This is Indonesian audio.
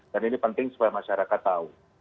dan ini penting supaya masyarakat tahu